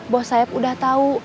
bos saeb udah tau